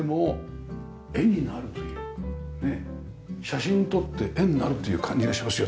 写真撮って絵になるという感じがしますよ。